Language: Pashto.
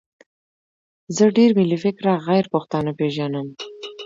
زه ډېر ملي فکره غیرپښتانه پېژنم.